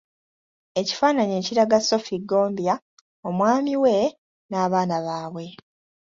Ekifaananyi ekiraga Sophie Ggombya, omwami we n’abaana baabwe.